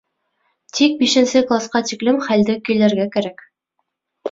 Тик бишенсе класҡа тиклем хәлде көйләргә кәрәк.